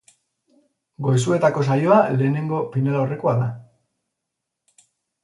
Goizuetako saioa lehenengo finalaurrekoa da.